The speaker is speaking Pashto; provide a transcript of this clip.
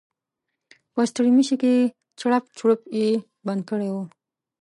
په ستړيمشې کې چړپ چړوپ یې بند کړی و.